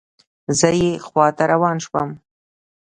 زه یې خواته روان شوم.